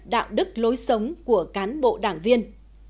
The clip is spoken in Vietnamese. đạo đức lối sống của cán bộ đảng viên